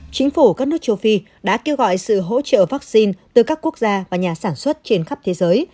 chính phủ các nước châu phi đã kêu gọi sự hỗ trợ vaccine từ các quốc gia và nhà sản xuất trên khắp thế giới